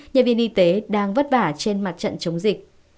nhân viên y tế đang vất vả trên mặt trận chống dịch